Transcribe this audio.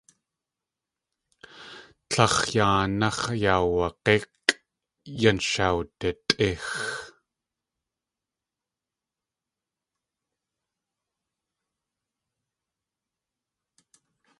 Tlax̲ a yáanáx̲ aawag̲íkʼ yan shawditʼíx.